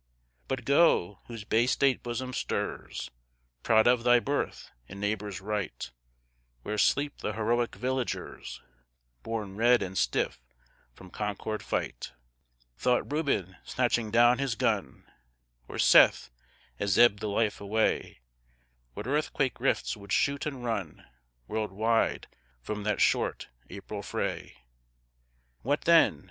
But go, whose Bay State bosom stirs, Proud of thy birth and neighbor's right, Where sleep the heroic villagers Borne red and stiff from Concord fight; Thought Reuben, snatching down his gun, Or Seth, as ebbed the life away, What earthquake rifts would shoot and run World wide from that short April fray? What then?